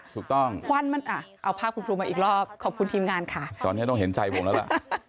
ควันมันอ่ะเอาภาพคุณครูมาอีกรอบขอบคุณทีมงานค่ะตอนนี้ต้องเห็นใจผมแล้วล่ะ